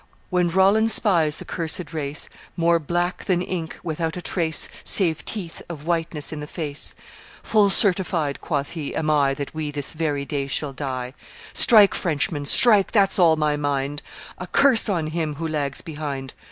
"When Roland spies the cursed race, More black than ink, without a trace, Save teeth, of whiteness in the face, 'Full certified,' quoth he, 'am I, That we this very day shall die. Strike, Frenchmen, strike; that's all my mind!' 'A curse on him who lags behind!